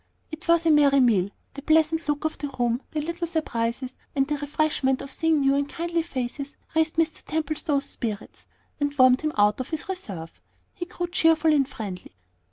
It was a merry meal. The pleasant look of the room, the little surprises, and the refreshment of seeing new and kindly faces, raised Mr. Templestowe's spirits, and warmed him out of his reserve. He grew cheerful and friendly.